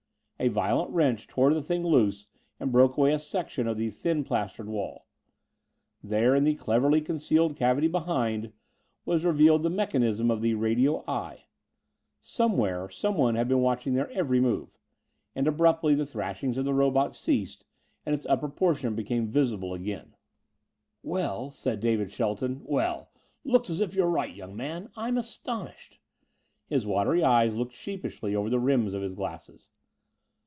A violent wrench tore the thing loose and broke away a section of the thin plastered wall. There, in the cleverly concealed cavity behind, was revealed the mechanism of the radio "eye." Somewhere, someone bad been watching their every move. And abruptly the thrashings of the robot ceased and its upper portion again became visible. "Well," said David Shelton. "Well! Looks as if you're right, young man. I'm astonished." His watery eyes looked sheepishly over the rims of his glasses.